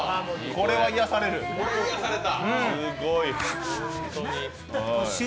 これは癒やされた。